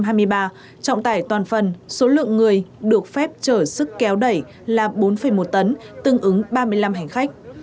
trọng tải toàn phần số lượng người được phép chở sức kéo đẩy là bốn một tấn tương ứng ba mươi năm hành khách